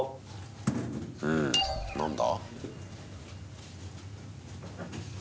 うん。何だ？